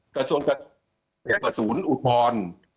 กระทรวงกระสูญอุทธรรม